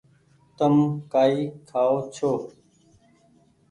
تم ڪآئي کآئو ڇو۔